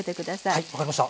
はい分かりました。